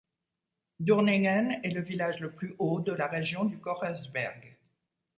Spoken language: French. Durningen est le village le plus haut de la région du Kochersberg.